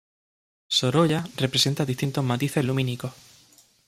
Sorolla, representa distintos matices lumínicos.